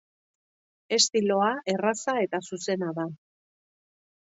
Estiloa erraza eta zuzena da.